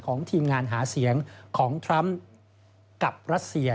ทีมงานหาเสียงของทรัมป์กับรัสเซีย